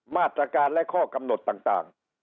มาตรการและข้อกำหนดต่าง